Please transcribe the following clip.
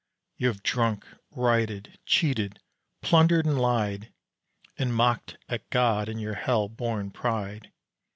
You have drunk, rioted, cheated, plundered, and lied, And mocked at God in your hell born pride.